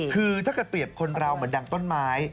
คือถ้าเกิดเปรียบคนเราเหมือนดังต้นไม้